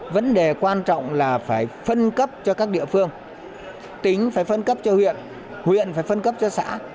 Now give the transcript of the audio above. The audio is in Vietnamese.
vấn đề quan trọng là phải phân cấp cho các địa phương tính phải phân cấp cho huyện huyện phải phân cấp cho xã